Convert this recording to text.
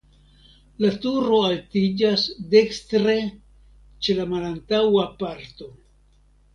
La turo altiĝas dekstre ĉe la malantaŭa parto.